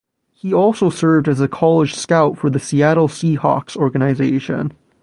He also served as a college scout for the Seattle Seahawks organization.